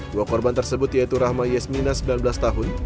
dua korban tersebut yaitu rahma yesmina sembilan belas tahun